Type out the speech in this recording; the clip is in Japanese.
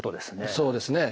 そうですね。